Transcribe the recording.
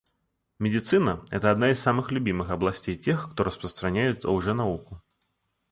Медицина — это одна из самых любимых областей тех, кто распространяет лженауку.